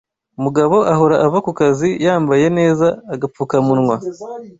Mugabo ahora ava kukazi yambaye neza agapfuka munywa